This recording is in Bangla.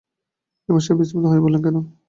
ইমাম সাহেব বিস্মিত হয়ে বললেন, কেন?